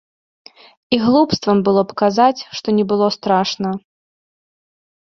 І глупствам было б казаць, што не было страшна.